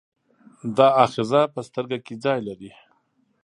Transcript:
دا آخذه په سترګه کې ځای لري.